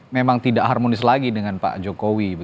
memang tidak harmonis lagi dengan pak jokowi